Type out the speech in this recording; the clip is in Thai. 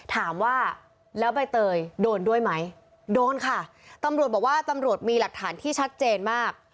ถามว่าแล้วใบเตยโดนด้วยไหมโดนค่ะตำรวจบอกว่าตำรวจมีหลักฐานที่ชัดเจนมาก